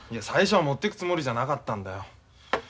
最初は持ってくつもりじゃなかったんだよ。